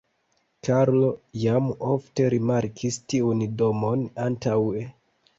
Karlo jam ofte rimarkis tiun domon antaŭe.